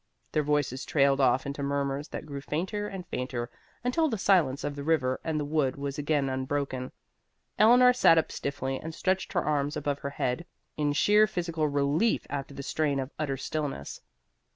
Their voices trailed off into murmurs that grew fainter and fainter until the silence of the river and the wood was again unbroken. Eleanor sat up stiffly and stretched her arms above her head in sheer physical relief after the strain of utter stillness.